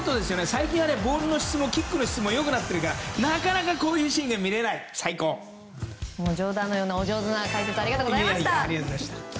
最近はボールの質もキックの質も良くなっているからなかなかこういうシーンが冗談のようなお上手な解説ありがとうございました。